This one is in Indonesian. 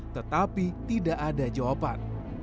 tetapi tidak ada jawaban